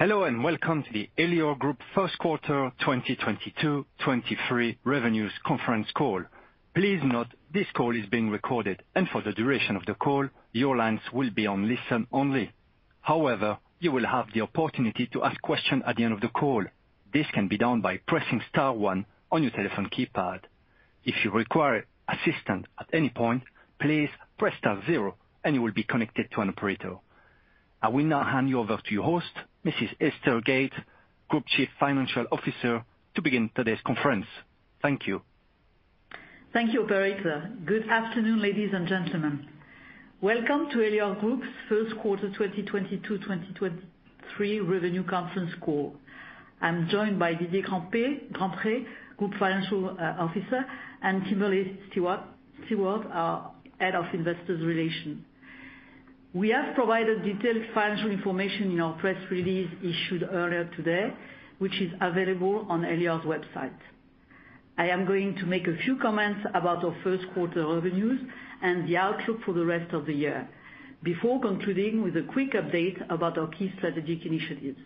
Hello, welcome to the Elior Group First Quarter 2022, 2023 Revenues Conference Call. Please note this call is being recorded, and for the duration of the call, your lines will be on listen only. However, you will have the opportunity to ask questions at the end of the call. This can be done by pressing star one on your telephone keypad. If you require assistance at any point, please press star zero, and you will be connected to an operator. I will now hand you over to your host, Mrs. Esther Gaide, Group Chief Financial Officer, to begin today's conference. Thank you. Thank you, operator. Good afternoon, ladies and gentlemen. Welcome to Elior Group's first quarter 2022, 2023 revenue conference call. I'm joined by Didier Grandpré, Group Financial Officer, and Philippe Ronceau, our Head of Investor Relations. We have provided detailed financial information in our press release issued earlier today, which is available on Elior's website. I am going to make a few comments about our first quarter revenues and the outlook for the rest of the year before concluding with a quick update about our key strategic initiatives.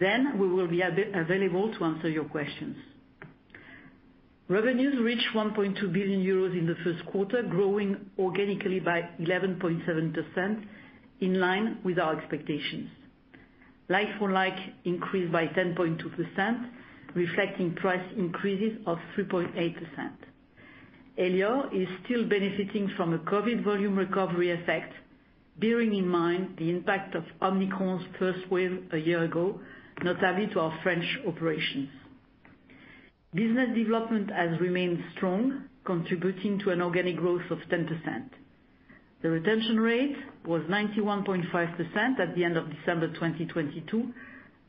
Then we will be available to answer your questions. Revenues reached 1.2 billion euros in the first quarter, growing organically by 11.7% in line with our expectations. Like-for-like increased by 10.2%, reflecting price increases of 3.8%. Elior is still benefiting from a COVID volume recovery effect, bearing in mind the impact of Omicron's first wave a year ago, notably to our French operations. Business development has remained strong, contributing to an organic growth of 10%. The retention rate was 91.5% at the end of December 2022,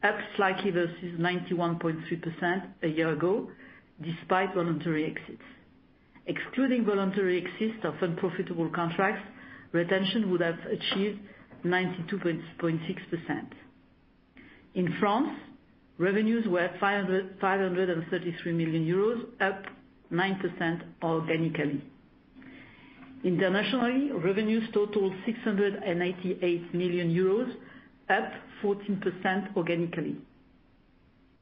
up slightly versus 91.3% a year ago despite voluntary exits. Excluding voluntary exits of unprofitable contracts, retention would have achieved 92.6%. In France, revenues were 533 million euros, up 9% organically. Internationally, revenues totaled 688 million euros, up 14% organically.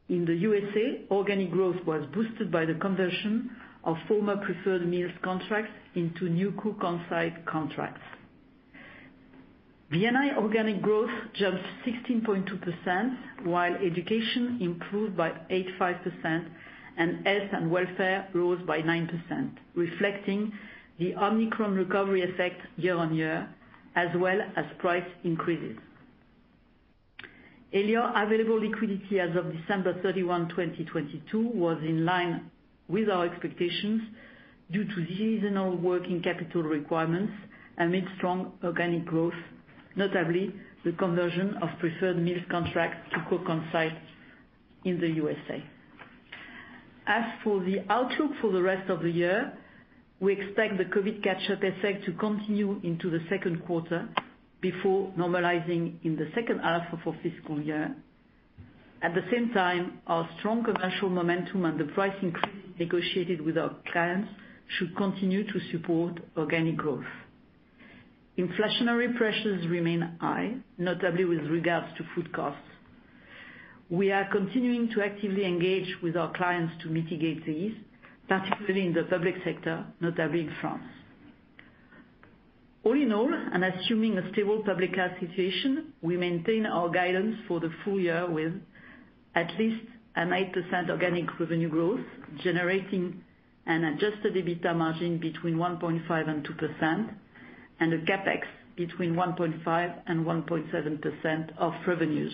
In the USA, organic growth was boosted by the conversion of former Preferred Meals contracts into new cook-on-site contracts. VNI organic growth jumped 16.2%, while education improved by 85%, and health and welfare rose by 9%, reflecting the Omicron recovery effect year on year as well as price increases. Elior available liquidity as of December 31, 2022 was in line with our expectations due to seasonal working capital requirements amid strong organic growth, notably the conversion of Preferred Meals contracts to cook-on-site in the USA. As for the outlook for the rest of the year, we expect the COVID catch-up effect to continue into the second quarter before normalizing in the second half of our fiscal year. At the same time, our strong commercial momentum and the price increase negotiated with our clients should continue to support organic growth. Inflationary pressures remain high, notably with regards to food costs. We are continuing to actively engage with our clients to mitigate these, particularly in the public sector, notably in France. All in all, assuming a stable public health situation, we maintain our guidance for the full year with at least an 8% organic revenue growth, generating an Adjusted EBITDA margin between 1.5% and 2% and a CapEx between 1.5% and 1.7% of revenues.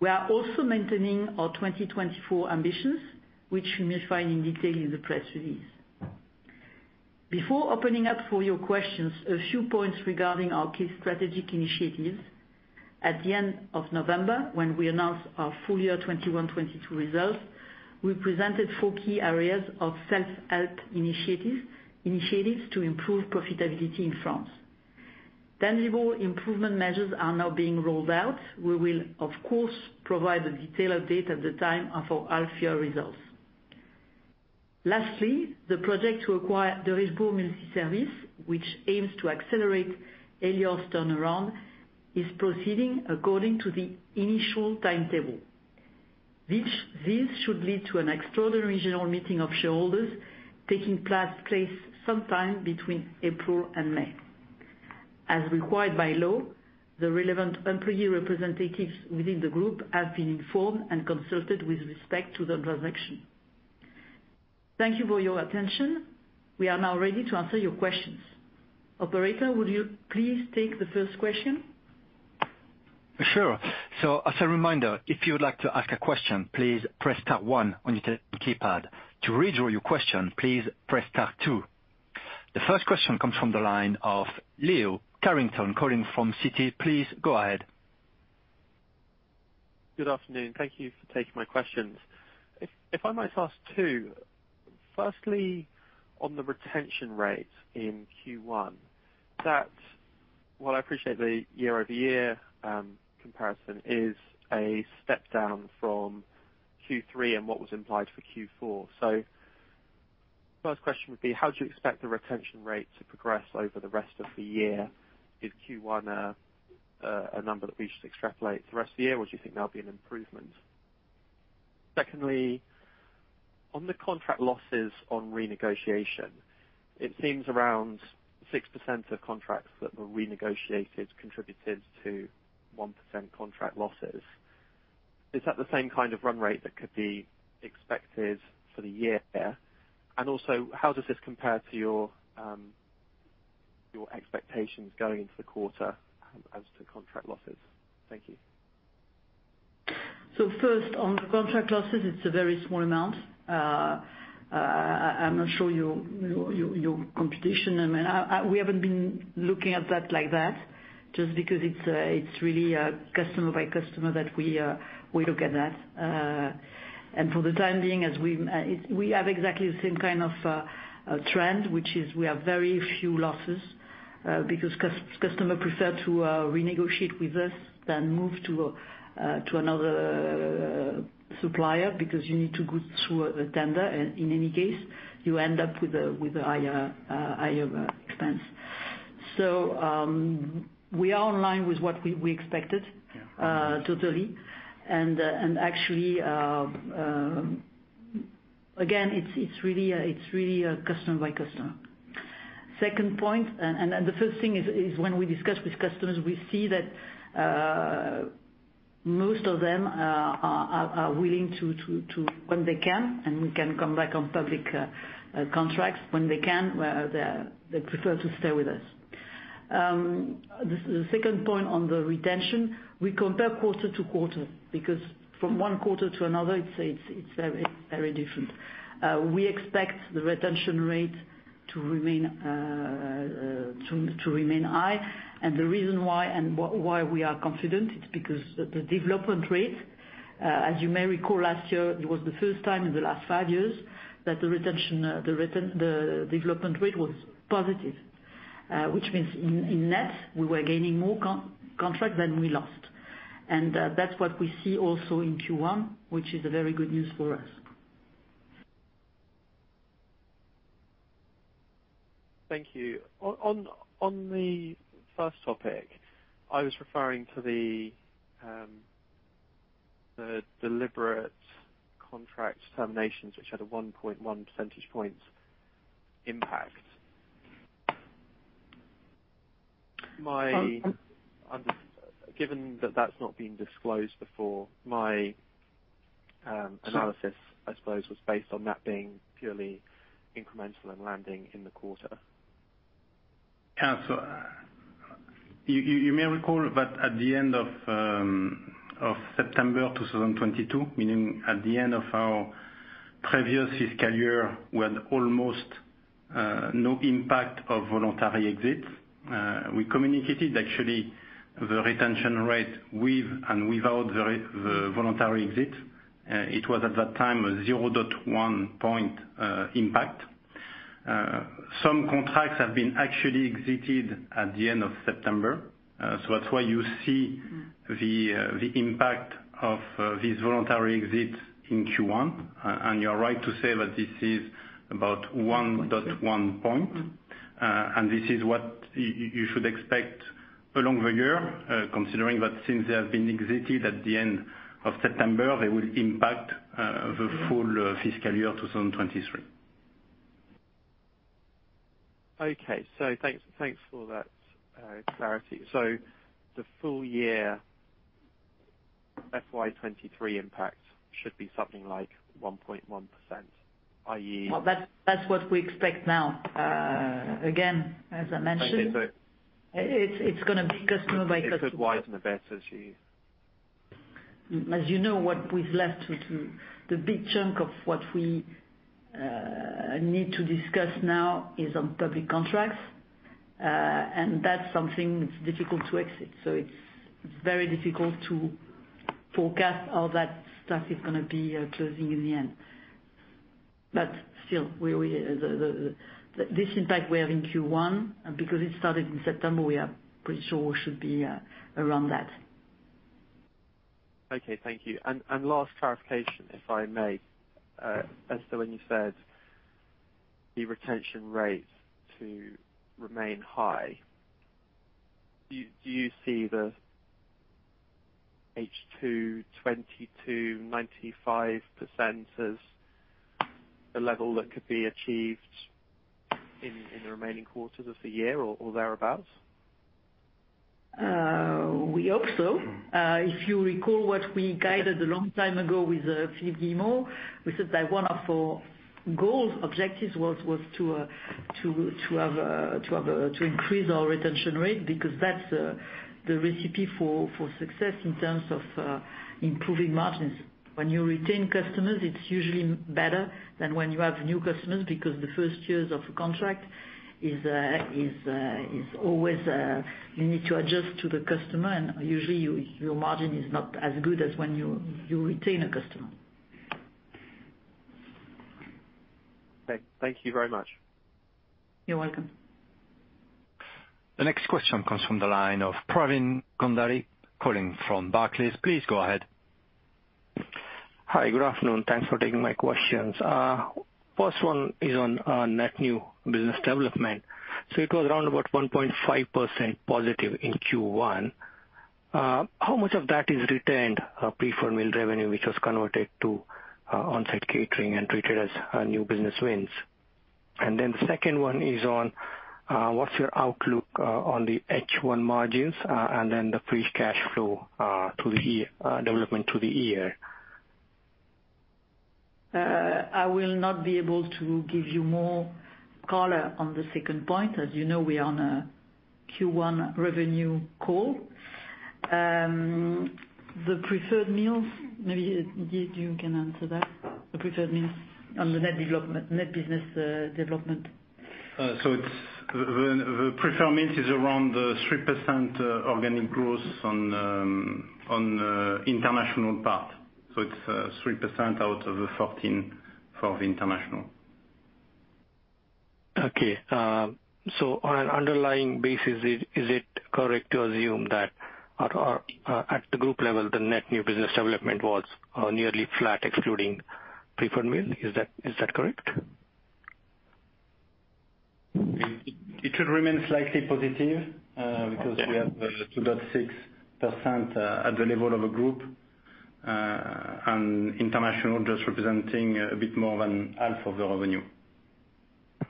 We are also maintaining our 2024 ambitions, which you may find in detail in the press release. Before opening up for your questions, a few points regarding our key strategic initiatives. At the end of November, when we announced our full year 2021, 2022 results, we presented four key areas of self-help initiatives to improve profitability in France. Tangible improvement measures are now being rolled out. We will of course provide a detailed update at the time of our half year results. Lastly, the project to acquire Derichebourg Multiservices, which aims to accelerate Elior's turnaround, is proceeding according to the initial timetable. This should lead to an extraordinary general meeting of shareholders taking place sometime between April and May. As required by law, the relevant employee representatives within the group have been informed and consulted with respect to the transaction. Thank you for your attention. We are now ready to answer your questions. Operator, would you please take the first question? Sure. As a reminder, if you would like to ask a question, please press star one on your keypad. To withdraw your question, please press star two. The first question comes from the line of Leo Carrington calling from Citi. Please go ahead. Good afternoon. Thank you for taking my questions. If I might ask two. Firstly, on the retention rate in Q1, while I appreciate the year-over-year comparison is a step down from Q3 and what was implied for Q4. First question would be how do you expect the retention rate to progress over the rest of the year? Is Q1 a number that we should extrapolate the rest of the year, or do you think there'll be an improvement? Secondly, on the contract losses on renegotiation, it seems around 6% of contracts that were renegotiated contributed to 1% contract losses. Is that the same kind of run rate that could be expected for the year? Also how does this compare to your expectations going into the quarter as to contract losses? Thank you. First, on the contract losses, it's a very small amount. I'm not sure your computation. I mean, I, we haven't been looking at that like that just because it's really customer by customer that we look at that. For the time being, as we have exactly the same kind of trend, which is we have very few losses, because customer prefer to renegotiate with us than move to another supplier because you need to go through a tender, and in any case, you end up with a, with a higher expense. We are in line with what we expected totally. Actually, again, it's really customer by customer. Second point, and the first thing is when we discuss with customers, we see that most of them are willing to, when they can, and we can come back on public contracts, when they can, they prefer to stay with us. The second point on the retention, we compare quarter to quarter because from 1Q to another it's very, very different. We expect the retention rate to remain high. The reason why and why we are confident is because the development rate, as you may recall last year, it was the first time in the last 5 years that the retention, the return, the development rate was positive, which means in net, we were gaining more contract than we lost. That's what we see also in Q1, which is a very good news for us. Thank you. On the first topic, I was referring to the deliberate contract terminations which had a 1.1 percentage points impact. Given that that's not been disclosed before, my analysis I suppose was based on that being purely incremental and landing in the quarter. Yeah. You may recall that at the end of September of 2022, meaning at the end of our previous fiscal year, we had almost no impact of voluntary exits. We communicated actually the retention rate with and without the voluntary exit. It was at that time a 0.1 point impact. Some contracts have been actually exited at the end of September, that's why you see the impact of these voluntary exits in Q1. You're right to say that this is about 1.1 point, and this is what you should expect along the year, considering that since they have been exited at the end of September, they will impact the full fiscal year 2023. Thanks for that clarity. The full year FY 2023 impact should be something like 1.1%. Well, that's what we expect now. again, as I mentioned. Okay. It's gonna be customer by customer. It could widen the best as you... As you know, what we've left to the big chunk of what we need to discuss now is on public contracts, and that's something that's difficult to exit. It's very difficult to forecast how that stuff is gonna be closing in the end. Still, we the this impact we have in Q1, because it started in September, we are pretty sure we should be around that. Okay. Thank you. Last clarification, if I may. Esther, when you said the retention rates to remain high, do you see the H2 2022 95% as the level that could be achieved in the remaining quarters of the year or thereabout? We hope so. If you recall what we guided a long time ago with Philippe Guillemot, we said that one of our goals, objectives was to have to increase our retention rate because that's the recipe for success in terms of improving margins. When you retain customers, it's usually better than when you have new customers because the first years of a contract is always, you need to adjust to the customer and usually your margin is not as good as when you retain a customer. Okay. Thank you very much. You're welcome. The next question comes from the line of Pravin Tambe, calling from Barclays. Please go ahead. Hi, good afternoon. Thanks for taking my questions. First one is on, net new business development. It was around about 1.5% positive in Q1. How much of that is retained, Preferred Meals revenue, which was converted to, on-site catering and treated as, new business wins? The second one is on, what's your outlook, on the H1 margins, and then the free cash flow, to the year, development to the year? I will not be able to give you more color on the second point. As you know, we are on a Q1 revenue call. The Preferred Meals, maybe, Didier, you can answer that. The Preferred Meals on the net development, net business, development. it's the Preferred Meals is around 3% organic growth on international part. it's 3% out of the 14 for the international. On an underlying basis, is it correct to assume that at our at the group level, the net new business development was nearly flat excluding Preferred Meals? Is that correct? It should remain slightly positive, because we have 2.6%, at the level of a group, and international just representing a bit more than half of the revenue.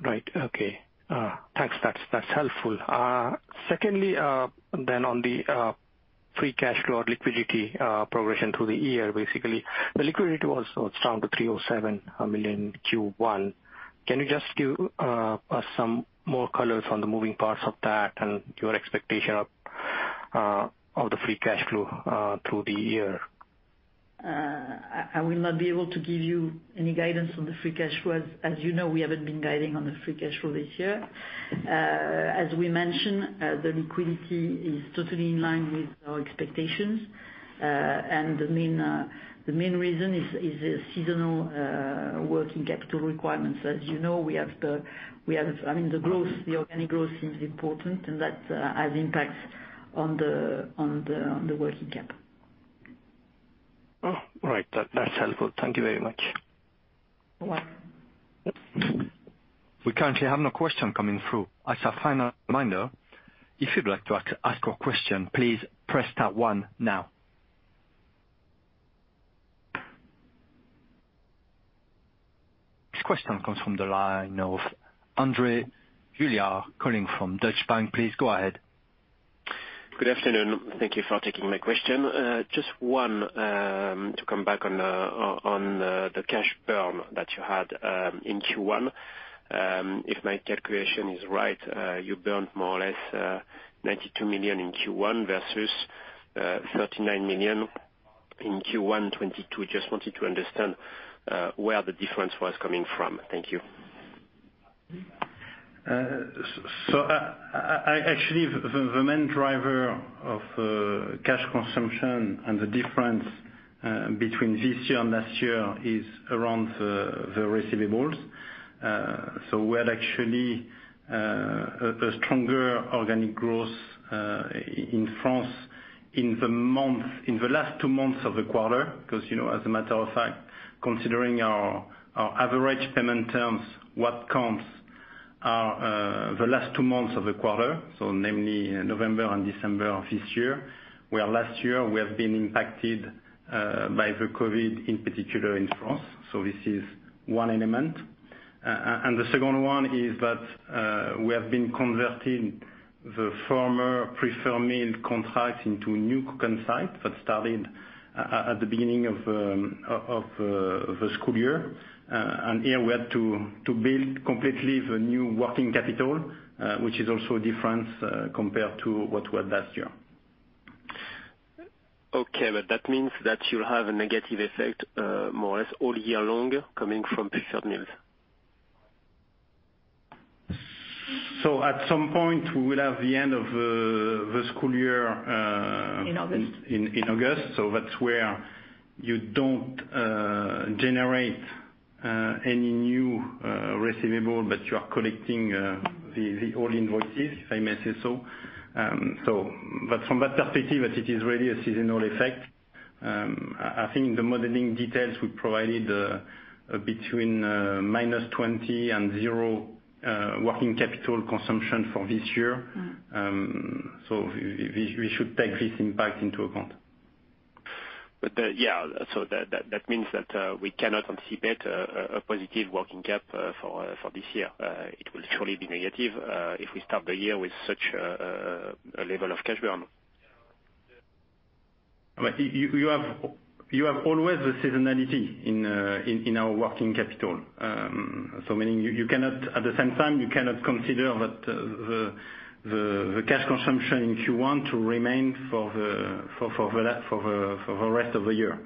Right. Okay. Thanks. That's helpful. Secondly, on the free cash flow or liquidity progression through the year, basically. The liquidity was down to 307 million Q1. Can you just give us some more colors on the moving parts of that and your expectation of the free cash flow through the year? I will not be able to give you any guidance on the free cash flow. As you know, we haven't been guiding on the free cash flow this year. As we mentioned, the liquidity is totally in line with our expectations. The main reason is the seasonal working capital requirements. As you know, I mean, the growth, the organic growth seems important, and that has impacts on the working capital. Oh, right. That's helpful. Thank you very much. You're welcome. We currently have no question coming through. As a final reminder, if you'd like to ask a question, please press star one now. This question comes from the line of André Juillard calling from Deutsche Bank. Please go ahead. Good afternoon. Thank you for taking my question. Just one, to come back on the cash burn that you had in Q1. If my calculation is right, you burned more or less 92 million in Q1 versus 39 million in Q1 2022. Just wanted to understand where the difference was coming from. Thank you. I actually the main driver of cash consumption and the difference between this year and last year is around the receivables. We had actually a stronger organic growth in France in the last two months of the quarter. 'Cause, you know, as a matter of fact, considering our average payment terms, what counts are the last two months of the quarter, so namely November and December of this year. Where last year we have been impacted by the COVID, in particular in France. This is one element. The second one is that we have been converting the former Preferred Meals contracts into new cook-on-site that started at the beginning of the school year. Here we had to build completely the new working capital, which is also different, compared to what we had last year. That means that you'll have a negative effect, more or less all year long coming from Preferred Meals. At some point, we will have the end of the school year. In August. In August. That's where you don't generate any new receivable, but you are collecting the old invoices, if I may say so. From that perspective, it is really a seasonal effect. I think the modeling details we provided between -20 and 0 working capital consumption for this year. We should take this impact into account. Yeah, that means that we cannot anticipate a positive working cap for this year. It will surely be negative if we start the year with such a level of cash burn. You have always the seasonality in our working capital. Meaning at the same time, you cannot consider that the cash consumption if you want to remain for the rest of the year.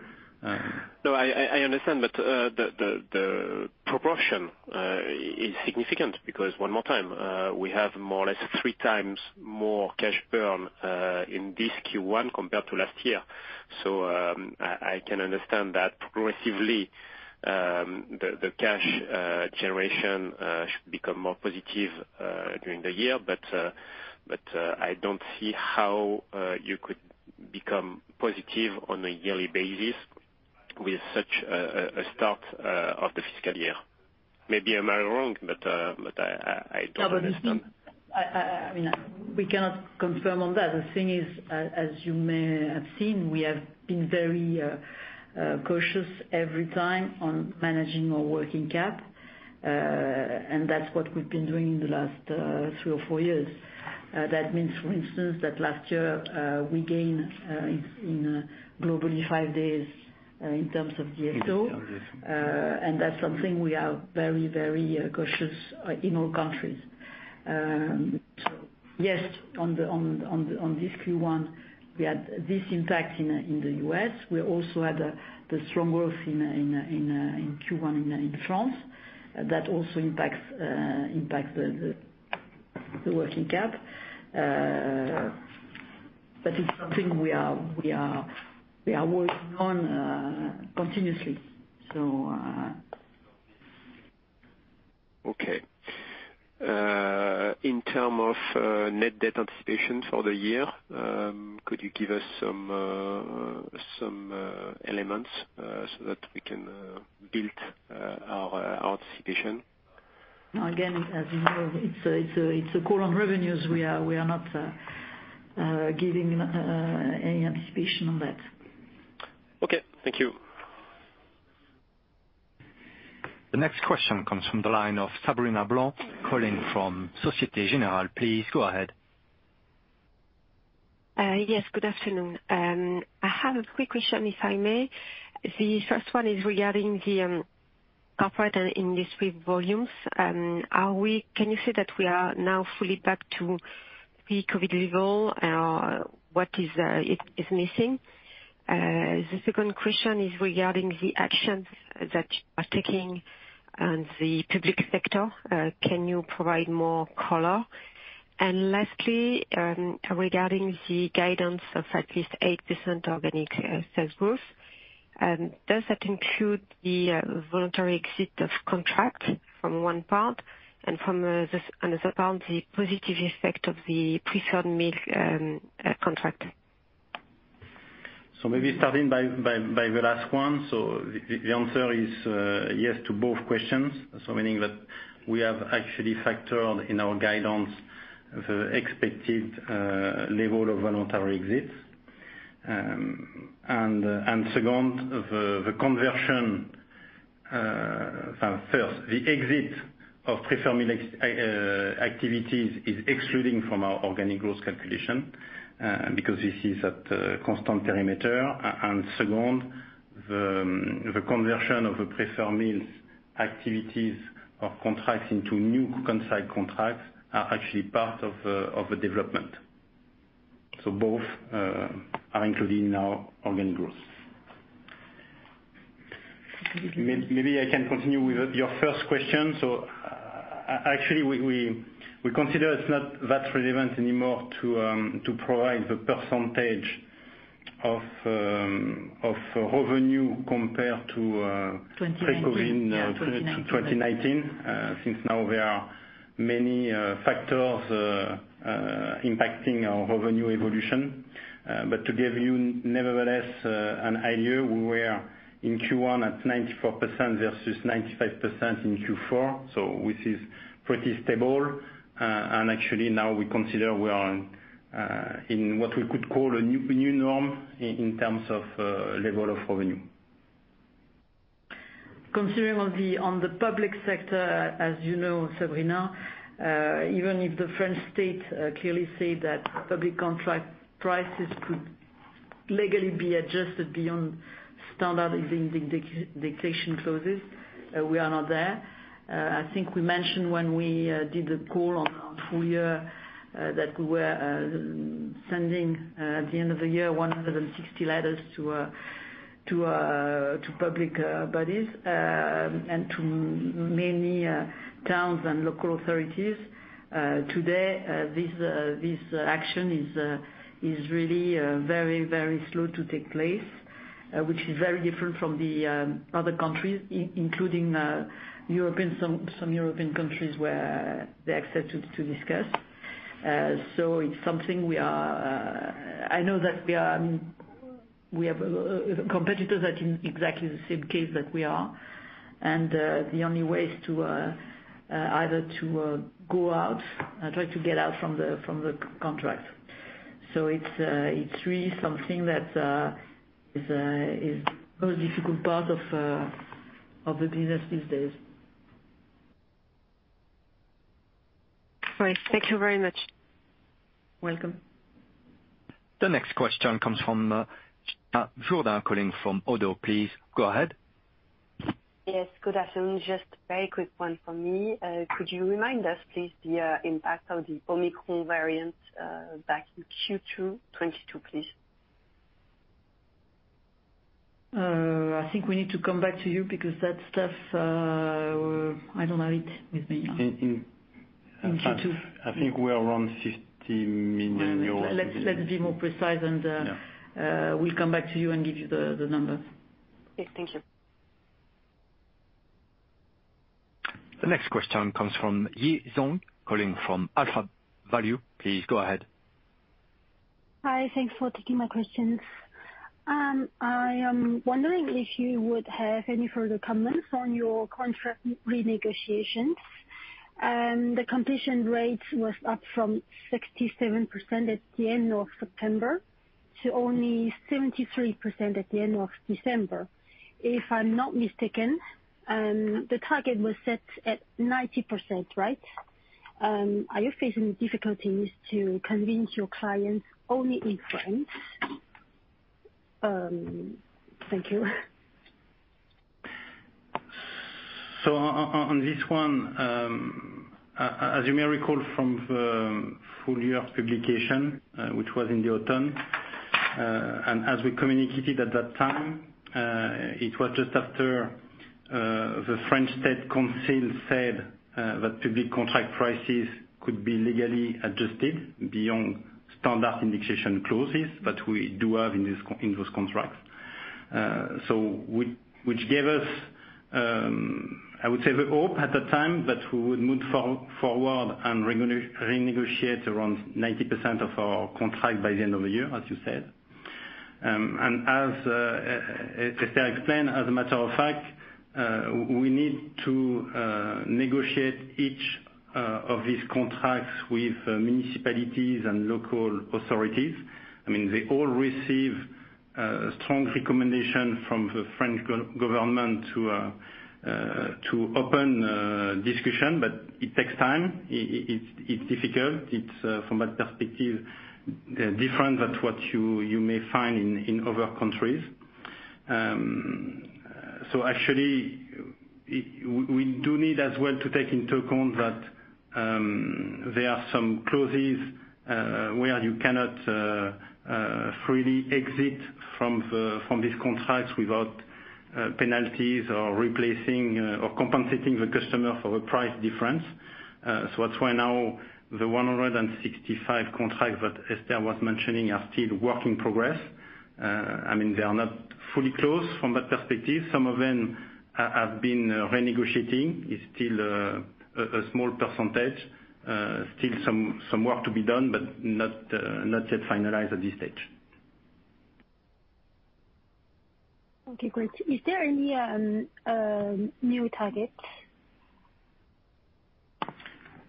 No, I understand, but the proportion is significant because one more time, we have more or less 3 times more cash burn in this Q1 compared to last year. I can understand that progressively, the cash generation should become more positive during the year. I don't see how you could become positive on a yearly basis with such a start of the fiscal year. Maybe am I wrong? I don't understand. We, I mean, we cannot confirm on that. The thing is, as you may have seen, we have been very cautious every time on managing our working cap. That's what we've been doing the last three or four years. That means for instance, that last year, we gained in globally five days in terms of DSO. Yes. That's something we are very cautious in all countries. Yes, on this Q1, we had this impact in the US. We also had the strong growth in Q1 in France. That also impacts the working cap. It's something we are working on continuously. Okay. In terms of net debt anticipation for the year, could you give us some elements so that we can build our anticipation? Again, as you know, it's a core on revenues. We are not giving any anticipation on that. Okay, thank you. The next question comes from the line of Sabrina Blanc, calling from Societe Generale. Please go ahead. Yes, good afternoon. I have a quick question, if I may. The first one is regarding the corporate and industry volumes. Can you say that we are now fully back to pre-COVID level? What is missing? The second question is regarding the actions that you are taking on the public sector. Can you provide more color? Lastly, regarding the guidance of at least 8% organic sales growth, does that include the voluntary exit of contract from one part and on the other part, the positive effect of the Preferred Meals contract? Maybe starting by the last one. The answer is yes to both questions. Meaning that we have actually factored in our guidance, the expected level of voluntary exits. Second, the conversion. First, the exit of Preferred Meals activities is excluding from our organic growth calculation because this is at a constant perimeter. And second, the conversion of the Preferred Meals activities of contracts into new cook-on-site contracts are actually part of the development. Both are included in our organic growth. Maybe I can continue with your first question. Actually, we consider it's not that relevant anymore to provide the percentage of revenue compared to. 2019. Yeah, 2019. Pre-COVID in 2019. Since now there are many factors impacting our revenue evolution. To give you nevertheless an idea, we were in Q1 at 94% versus 95% in Q4, which is pretty stable. Actually, now we consider we are in what we could call a new, a new norm in terms of level of revenue. Considering on the public sector, as you know, Sabrina, even if the French State clearly say that public contract prices could legally be adjusted beyond standard indexation clauses, we are not there. I think we mentioned when we did the call on full year, that we were sending at the end of the year 160 letters to public bodies, and to many towns and local authorities. Today, this action is really very, very slow to take place. Which is very different from the other countries including European, some European countries where they accept to discuss. It's something we are... I know that we are, we have competitors that in exactly the same case that we are. The only way is to either to go out and try to get out from the contract. It's really something that is a difficult part of the business these days. Right. Thank you very much. Welcome. The next question comes from, Jordan Van der Straeten, calling from Oddo BHF. Please go ahead. Yes, good afternoon. Just very quick one from me. Could you remind us please, the impact of the Omicron variant, back in Q2 2022, please? I think we need to come back to you because that stuff, I don't have it with me now. In, in- In Q2. I think we're around 50 million euros. Let's be more precise and. Yeah. We'll come back to you and give you the numbers. Okay, thank you. The next question comes from Yi Zhiong, calling from AlphaValue. Please go ahead. Hi. Thanks for taking my questions. I am wondering if you would have any further comments on your contract renegotiations. The completion rate was up from 67% at the end of September to only 73% at the end of December. If I'm not mistaken, the target was set at 90%, right? Are you facing difficulties to convince your clients only in France? Thank you. On this one, as you may recall from the full year publication, which was in the autumn, and as we communicated at that time, it was just after the French State Council said that public contract prices could be legally adjusted beyond standard indication clauses that we do have in these, in those contracts. Which gave us, I would say the hope at the time that we would move forward and renegotiate around 90% of our contract by the end of the year, as you said. As Esther explained, as a matter of fact, we need to negotiate each of these contracts with municipalities and local authorities. I mean, they all receive a strong recommendation from the French government to open discussion, but it takes time.It's difficult. It's from that perspective different than what you may find in other countries. Actually, we do need as well to take into account that there are some clauses where you cannot freely exit from these contracts without penalties or replacing or compensating the customer for the price difference. That's why now the 165 contracts that Esther was mentioning are still work in progress. I mean, they are not fully closed from that perspective. Some of them have been renegotiating. It's still a small percentage, still some work to be done, but not yet finalized at this stage. Okay, great. Are there any new targets?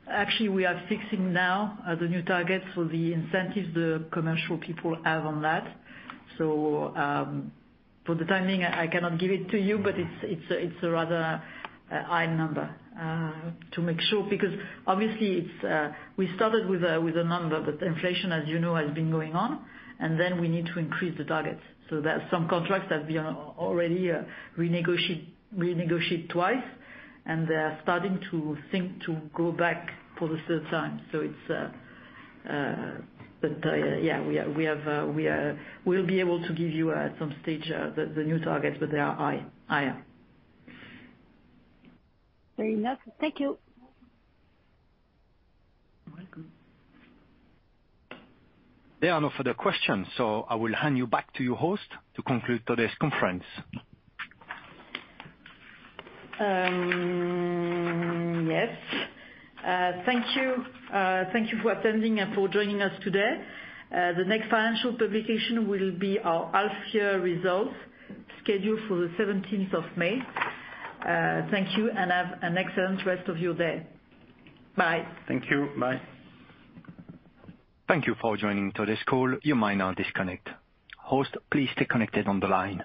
Actually, we are fixing now the new targets for the incentives the commercial people have on that. For the timing, I cannot give it to you, but it's a rather high number to make sure because obviously it's, we started with a, with a number, but inflation, as you know, has been going on, and then we need to increase the targets. There are some contracts that we are already renegotiate twice, and they are starting to think to go back for the third time. It's... Yeah, we are, we have, we'll be able to give you at some stage the new targets, but they are higher. Very nice. Thank you. You're welcome. There are no further questions, so I will hand you back to your host to conclude today's conference. Yes. Thank you. Thank you for attending and for joining us today. The next financial publication will be our half year results scheduled for the 17th of May. Thank you and have an excellent rest of your day. Bye. Thank you. Bye. Thank you for joining today's call. You may now disconnect. Host, please stay connected on the line.